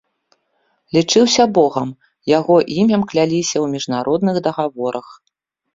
Лічыўся богам, яго імем кляліся ў міжнародных дагаворах.